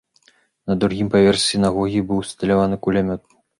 На другім паверсе сінагогі быў усталяваны кулямёт.